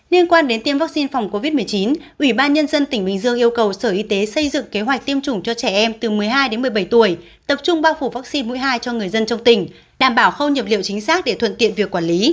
liên quan đến tiêm vaccine phòng covid một mươi chín ủy ban nhân dân tỉnh bình dương yêu cầu sở y tế xây dựng kế hoạch tiêm chủng cho trẻ em từ một mươi hai đến một mươi bảy tuổi tập trung bao phủ vaccine mũi hai cho người dân trong tỉnh đảm bảo khâu nhập liệu chính xác để thuận tiện việc quản lý